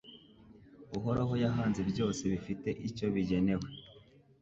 Uhoraho yahanze byose bifite icyo bigenewe